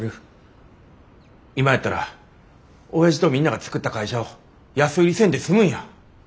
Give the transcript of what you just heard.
今やったら親父とみんなが作った会社を安売りせんで済むんや。